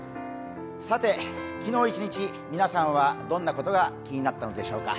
昨日一日皆さんはどんなことが気になったのでしょうか。